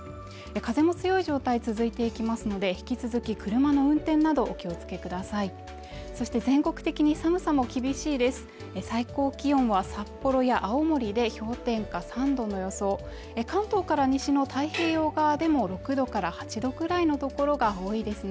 風も強い状態続いていきますので引き続き車の運転などお気をつけくださいそして全国的に寒さも厳しいです最高気温は札幌や青森で氷点下３度の予想で関東から西の太平洋側でも６度から８度くらいの所が多いですね